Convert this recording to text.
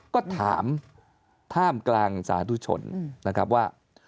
ก็ถามท่ามกลางสาธุชนนะครับว่า